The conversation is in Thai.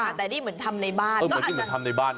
อันนี้ถามในบ้าน